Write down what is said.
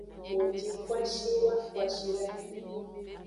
Wo ji kwashiwa kwashidagbe.